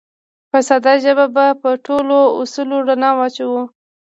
په ساده ژبه به په ټولو اصولو رڼا واچوو